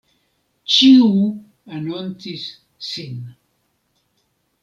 Ĉiu anoncis sin.